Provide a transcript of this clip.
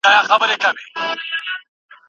هر زده کوونکی باید د ټایپنګ په مهارت پوه وي.